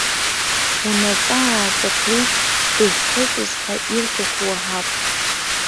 Унаҵаа-ааҵаақәеишь, дызхылҵыз ҳәа ирҳәақәо уаҳап.